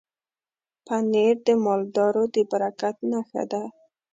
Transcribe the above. پنېر د مالدارو د برکت نښه ده.